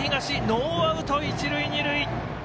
ノーアウト、一塁二塁。